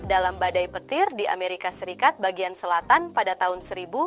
dalam badai petir di amerika serikat bagian selatan pada tahun seribu sembilan ratus delapan puluh